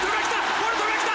ボルトが来た！